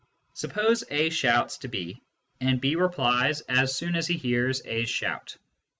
Suppose A shouts to B, and B replies as soon as he hears A s shout.